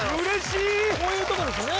こういうとこですね